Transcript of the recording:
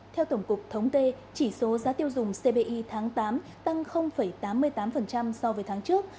theo tổng cục thống tê chỉ số giá tiêu dùng cbi tháng tám tăng tám mươi tám so với tháng trước